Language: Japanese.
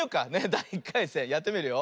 だい１かいせんやってみるよ。